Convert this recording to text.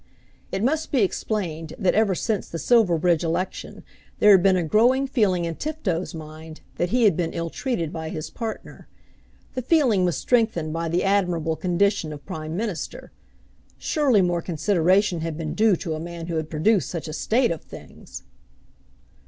It must be explained that ever since the Silverbridge election there had been a growing feeling in Tifto's mind that he had been ill treated by his partner. The feeling was strengthened by the admirable condition of Prime Minister. Surely more consideration had been due to a man who had produced such a state of things!